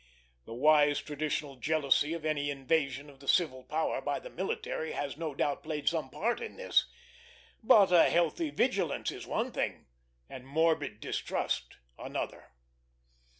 The wise traditional jealousy of any invasion of the civil power by the military has no doubt played some part in this; but a healthy vigilance is one thing, and morbid distrust another.